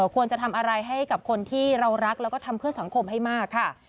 ควรจะทำอะไรให้กับคนที่เรารักแล้วก็ทำเพื่อสังคมให้มากค่ะ